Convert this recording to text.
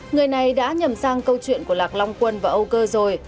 người này đã nhầm sang câu chuyện của lạc long quân và âu cơ rồi